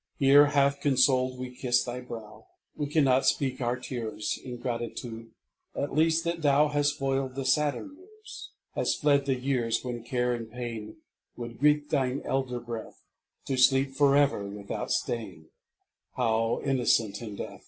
Here half consoled we kiss thy brow (We cannot speak our tears) In gratitude at least that thou Hast foiled the sadder years, Hast fled the years when care and pain Would greet thine elder breath, To sleep forever without stain, How innocent in death!